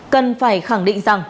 cần phải khẳng định